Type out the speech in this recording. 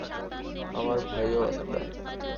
আমার ভাইও আত্মা।